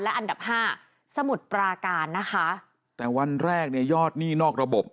อันดับห้าสมุทรปราการนะคะแต่วันแรกเนี่ยยอดหนี้นอกระบบ